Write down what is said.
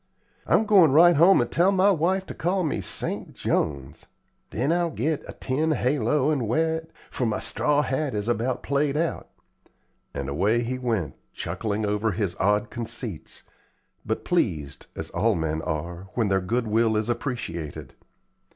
I'm goin' right home and tell my wife to call me Saint Jones. Then I'll get a tin halo and wear it, for my straw hat is about played out;" and away he went, chuckling over his odd conceits, but pleased, as all men are, when their goodwill is appreciated.